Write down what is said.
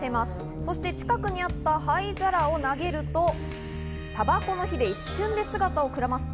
そして近くにあった灰皿を投げるとたばこの火で一瞬で姿をくらます天狗。